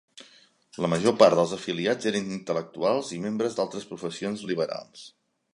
La major part dels afiliats eren intel·lectuals i membres d'altres professions liberals.